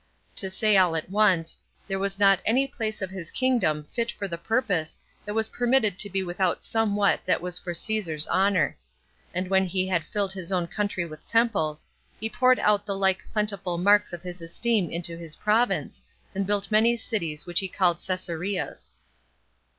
To say all at once, there was not any place of his kingdom fit for the purpose that was permitted to be without somewhat that was for Caesar's honor; and when he had filled his own country with temples, he poured out the like plentiful marks of his esteem into his province, and built many cities which he called Cesareas.